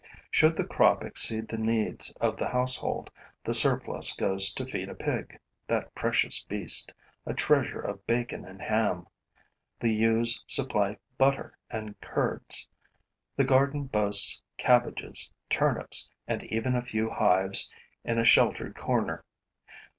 Should the crop exceed the needs of the household, the surplus goes to feed a pig, that precious beast, a treasure of bacon and ham. The ewes supply butter and curds; the garden boasts cabbages, turnips and even a few hives in a sheltered corner.